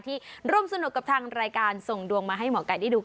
ร่วมสนุกกับทางรายการส่งดวงมาให้หมอไก่ได้ดู